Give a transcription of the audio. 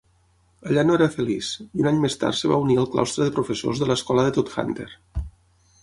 Allà no era feliç, i un any més tard es va unir al claustre de professors de l'escola de Todhunter.